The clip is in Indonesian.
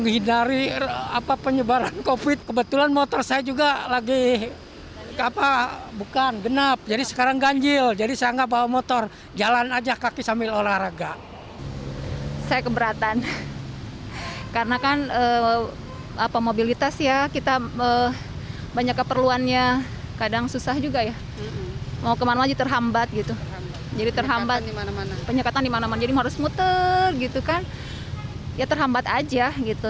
saya keberatan karena kan mobilitas ya kita banyak keperluannya kadang susah juga ya mau kemana mana terhambat gitu jadi terhambat penyekatan dimana mana jadi harus muter gitu kan ya terhambat aja gitu